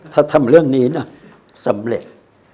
ถ้าทำเรื่องนี้นะสำเร็จ